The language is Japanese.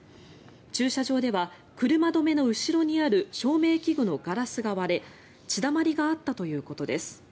駐車場では車止めの後ろにある照明器具のガラスが割れ血だまりがあったということです。